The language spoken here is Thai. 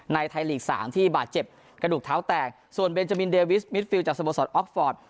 ไทยลีกสามที่บาดเจ็บกระดูกเท้าแตกส่วนเบนจามินเดวิสมิตดฟิลจากสโมสรออฟฟอร์ต